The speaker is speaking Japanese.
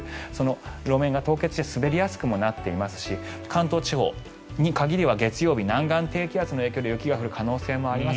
路面が凍結して滑りやすくもなっていますし関東地方に限り月曜日、南岸低気圧の影響で雪が降る可能性もあります。